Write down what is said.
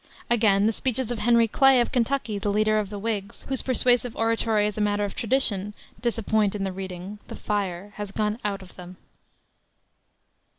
Again, the speeches of Henry Clay, of Kentucky, the leader of the Whigs, whose persuasive oratory is a matter of tradition, disappoint in the reading. The fire has gone out of them.